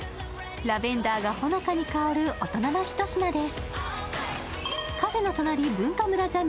ラベンダーがほのかに香る大人のひと品です。